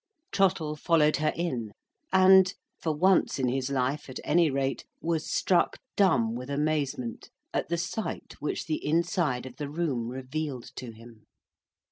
Trottle followed her in; and, for once in his life, at any rate, was struck dumb with amazement, at the sight which the inside of the room revealed to him.